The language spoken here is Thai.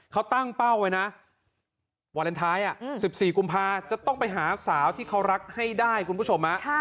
เขาตั้งเป้าไว้นะวาเลนไทย๑๔กุมภาจะต้องไปหาสาวที่เขารักให้ได้คุณผู้ชม